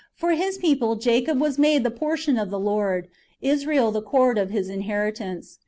"For His people Jacob was made the portion of the Lord, Israel the cord of His inheritance."